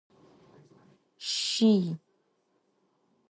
Şsiy.